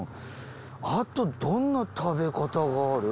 あとどんな食べ方がある？